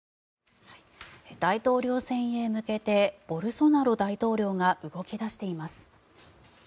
大統領選へ向けてボルソナロ大統領が動き出しています。